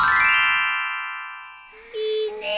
いいねえ。